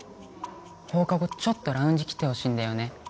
放課後ちょっとラウンジ来てほしいんだよね